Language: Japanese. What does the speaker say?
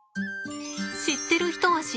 知ってる人は知っている。